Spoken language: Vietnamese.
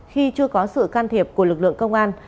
khi chưa có sự can thiệp của lực lượng công an